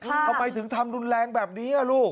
ทำไมถึงทำรุนแรงแบบนี้ลูก